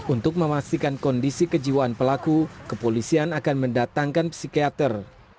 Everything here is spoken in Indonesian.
untuk memastikan kondisi kejiwaan pelaku kepolisian akan mendatangkan psikiater